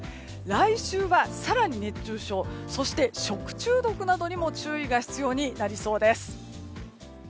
来週は更に、熱中症やそして食中毒などにも注意が必要になりそうです。